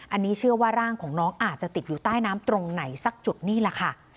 อันนี้เชื่อว่าร่างของน้องอาจจะติดอยู่ใต้น้ำตรงไหนสักจุดนี่แหละค่ะ